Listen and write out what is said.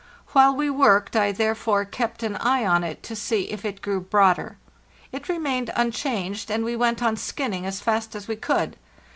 While we worked I therefore kept an eye on it to see if it grew broader. It remained un changed, and we went on skinning as fast as we could.